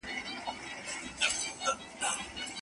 په دا منځ کي چا نیولی یو عسکر وو